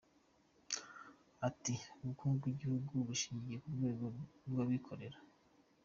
Ati “Ubukungu bw’igihugu bushingiye ku rwego rw’abikorera.